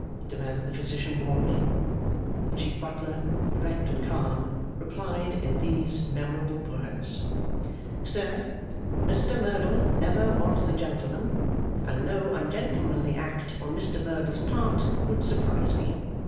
demanded the Physician, warmly. The Chief Butler, erect and calm, replied in these memorable words. 'Sir, Mr Merdle never was the gentleman, and no ungentlemanly act on Mr Merdle's part would surprise me.